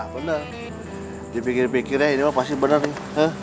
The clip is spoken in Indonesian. bener dipikir pikirnya ini pasti bener ya